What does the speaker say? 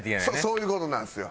そういう事なんですよ。